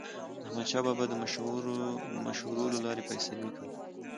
احمدشاه بابا به د مشورو له لارې فیصلې کولې.